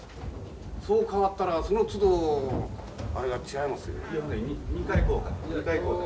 そう変わったらそのつどあれが違いますよ。